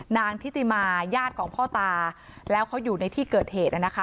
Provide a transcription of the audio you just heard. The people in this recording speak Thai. ทิติมาญาติของพ่อตาแล้วเขาอยู่ในที่เกิดเหตุนะคะ